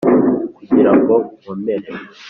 kugira ngo nkomere.